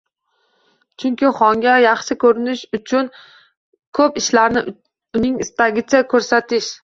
Chunki xonga yaxshi ko’rinish uchun ko’p ishlarni uning istagicha ko’rsatish